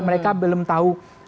mereka belum tahu